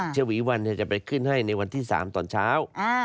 ฉวีวันจะเข้าไปซ้อนให้ในวันที่๓ตอนเช้า